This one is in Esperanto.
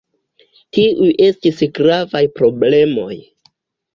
Tiuj estis gravaj problemoj.